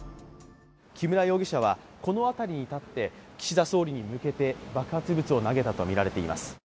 木村容疑者はこの辺りに立って岸田総理に向けて爆発物を投げたとみられています。